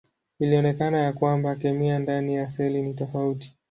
Ilionekana ya kwamba kemia ndani ya seli ni tofauti.